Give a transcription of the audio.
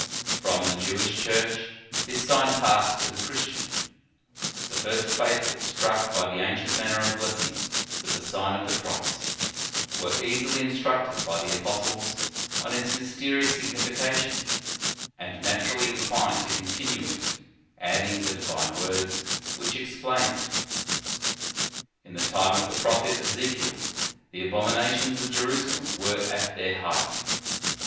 ^ From the Jewish Church, this sign passed to the Christian. The first faithful, struck by the ancient manner of blessing with the Sign of the Cross, were easily instructed by the apostles on its mysterious signification, and naturally inclined to continue it, adding the divine words which explain it. *John Hi. 15. fDuquet. Treat, of the Cross of our Lord, c. viii. In the Nineteenth Century. 99 In the time of the prophet Ezechiel the abominations of Jerusalem were at their height.